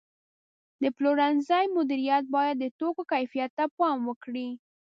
د پلورنځي مدیریت باید د توکو کیفیت ته پام وکړي.